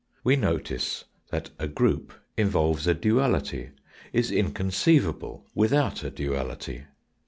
We notice that a group involves a duality, is inconceivable without a duality.